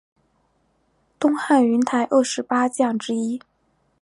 东汉云台二十八将之一。